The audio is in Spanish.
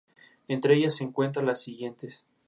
Entre ellas se cuentan las siguientes.